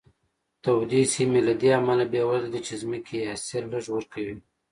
تودې سیمې له دې امله بېوزله دي چې ځمکې یې حاصل لږ ورکوي.